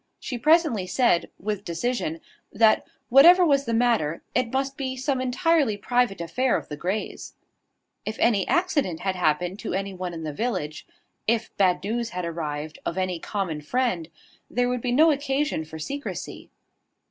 She presently said, with decision, that whatever was the matter, it must be some entirely private affair of the Greys'. If any accident had happened to any one in the village, if bad news had arrived of any common friend, there would be no occasion for secrecy.